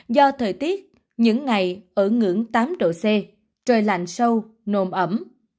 do thời tiết những ngày ở ngưỡng tám độ c trời lạnh sâu nồm ẩm